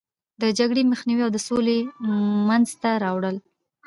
د جګړې مخنیوی او د سولې منځته راوړل.